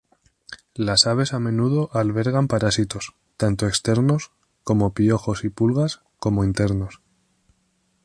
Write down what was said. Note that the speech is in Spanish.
Las aves a menudo albergan parásitos, tanto externos, como piojos y pulgas, como internos.